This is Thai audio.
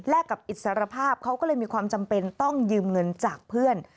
และกับอิสรภาพเขาก็เลยมีความจำเป็นต้องยืมเงินจากเพื่อน